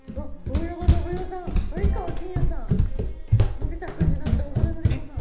のび太君になった小原乃梨子さん。